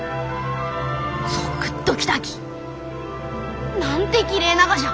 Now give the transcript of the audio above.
ゾクッときたき！なんてきれいながじゃ！